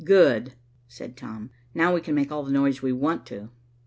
"Good," said Tom, "Now we can make all the noise we want to."